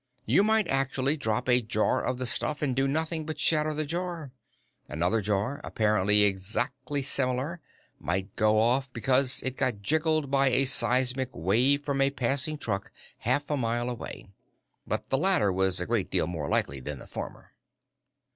You might actually drop a jar of the stuff and do nothing but shatter the jar. Another jar, apparently exactly similar, might go off because it got jiggled by a seismic wave from a passing truck half a mile away. But the latter was a great deal more likely than the former."